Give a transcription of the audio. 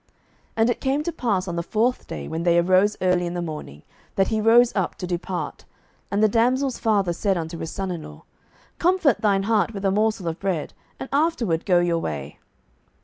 07:019:005 And it came to pass on the fourth day, when they arose early in the morning, that he rose up to depart: and the damsel's father said unto his son in law, Comfort thine heart with a morsel of bread, and afterward go your way.